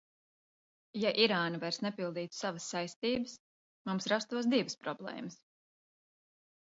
Ja Irāna vairs nepildītu savas saistības, mums rastos divas problēmas.